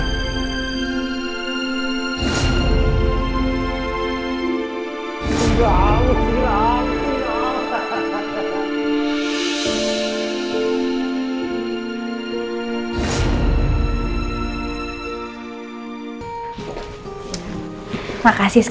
kamu kan udah sempet